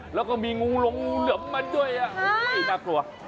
แล้วก็มีงูหลงเหลมมันด้วยโอ้โฮน่ากลัว